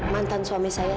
mantan suami saya